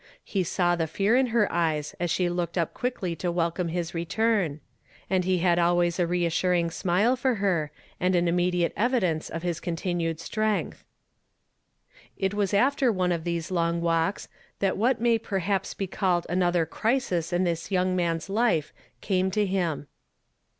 He saw the fear in her eyes as she looked up quickly to welcome his return ; and he had always a reassuring smile for her, and an immediate evi dence of his continued strength. It was after one of these long walks that what may perhaps be called another crisis in this young man's life came to him.